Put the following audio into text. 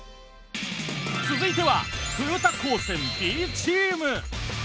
続いては豊田高専Ｂチーム。